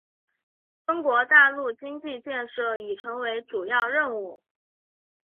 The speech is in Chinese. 中国大陆经济建设已成为主要任务。